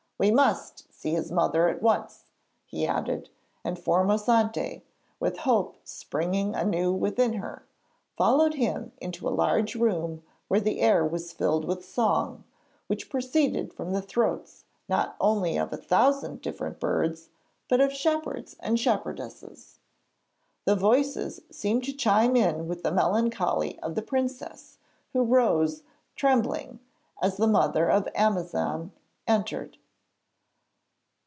We must see his mother at once,' he added, and Formosante, with hope springing anew within her, followed him into a large room where the air was filled with song, which proceeded from the throats not only of a thousand different birds, but of shepherds and shepherdesses. The voices seemed to chime in with the melancholy of the princess, who rose, trembling, as the mother of Amazan entered.